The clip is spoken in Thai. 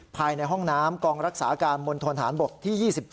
ภายในห้องน้ำกองรักษาการมณฑนฐานบกที่๒๗